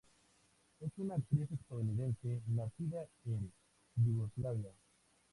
Es una actriz estadounidense, nacida en Yugoslavia.